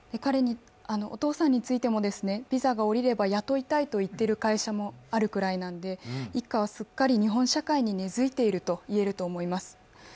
お父さんについても、ビザが下りれば雇いたいと言っている会社もあるくらいなので、一家はすっかり日本社会に根づいていると言えます。